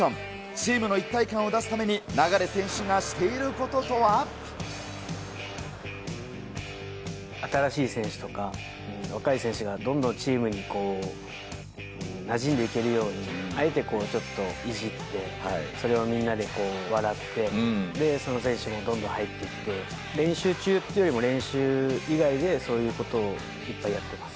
チームの一体感を出すために、流選手がして新しい選手とか、若い選手がどんどんチームになじんでいけるように、あえてちょっといじって、それをみんなで笑って、その選手もどんどん入ってきて、練習中っていうよりも、練習以外でそういうことをいっぱいやってます。